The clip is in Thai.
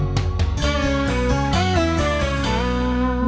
อืม